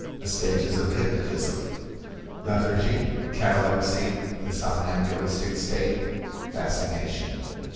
THE STAGES OF HYPNOTISM. Lethargy—Catalepsy—The Somnambulistic Stage—Fascination.